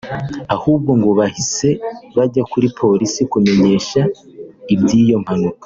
ahubwo ngo bahise bajya kuri Polisi kumenyesha iby’iyo mpanuka